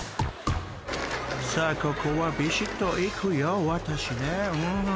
［さあここはびしっといくよ私ね］